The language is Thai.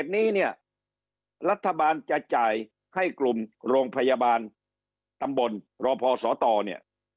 นี้เนี่ยรัฐบาลจะจ่ายให้กลุ่มโรงพยาบาลตำบลรพศตเนี่ย